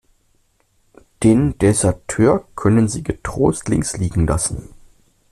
Den Deserteur können Sie getrost links liegen lassen.